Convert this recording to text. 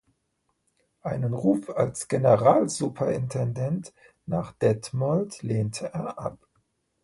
Einen Ruf als Generalsuperintendent nach Detmold lehnte er ab.